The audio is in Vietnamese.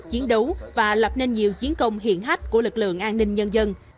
chiến đấu và lập nên nhiều chiến công hiển hách của lực lượng an ninh nhân dân